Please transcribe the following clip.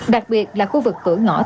đặc biệt là khu vực cửa ngõ tp hcm